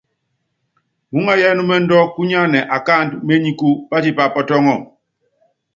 Muúŋayɔ ɛnúmɛndɔ kúnyánɛ akáandɔ ményiku, pátípa pɔtɔŋɔ.